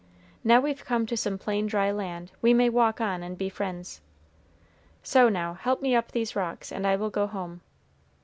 Now we've come to some plain dry land, we may walk on and be friends. So now help me up these rocks, and I will go home."